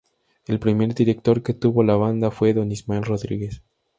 El primer director que tuvo la Banda fue don Ismael Rodríguez.